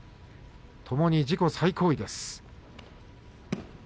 ともに自己最高位です。